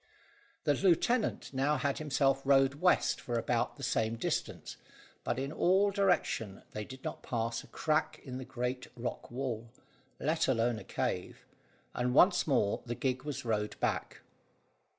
The lieutenant now had himself rowed west for about the same distance, but in this direction they did not pass a crack in the great rock wall, let alone a cave, and once more the gig was rowed back.